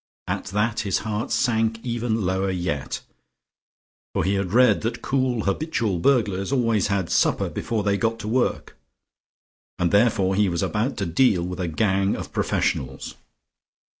At that his heart sank even lower yet, for he had read that cool habitual burglars always had supper before they got to work, and therefore he was about to deal with a gang of professionals.